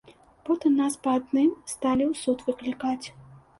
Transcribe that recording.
Потым нас па адным сталі ў суд выклікаць.